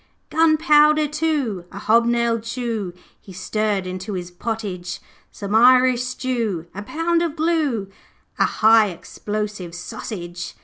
'Gunpowder too, a hob nailed shoe, He stirred into his pottage; Some Irish stew, a pound of glue, A high explosive sausage.